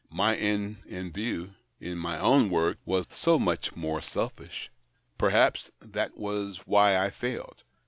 My end in view in my own work was so much more selfish. Perhaps that was why I failed.